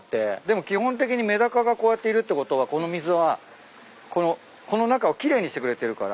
でも基本的にメダカがこうやっているってことはこの水はこの中を奇麗にしてくれてるからメダカが。